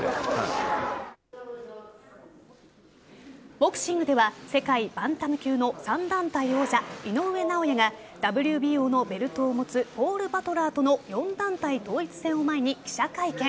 ボクシングでは世界バンタム級の３団体王者井上尚弥がＷＢＯのベルトを持つポール・バトラーとの４団体統一戦を前に記者会見。